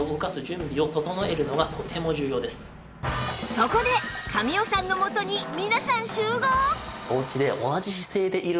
そこで神尾さんのもとに皆さん集合！